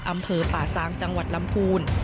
อำเภอป่าซางจังหวัดลำพูน